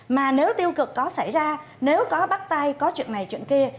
mà nếu tiêu cực có xảy ra nếu có bắt tay có chuyện này chuyện kia